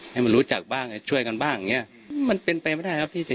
ให้มันรู้จักบ้างช่วยกันบ้างอย่างเงี้ยมันเป็นไปไม่ได้ครับที่จะ